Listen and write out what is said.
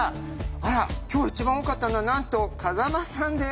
あら今日一番多かったのはなんと風間さんです。